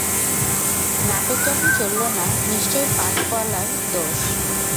নাটক যখন চলল না, নিশ্চয় পাট বলার দোষ।